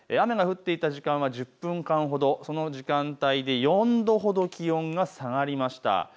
雨が降っていた時間は１０分間ほど、その時間帯で４度ほど気温が下がりました。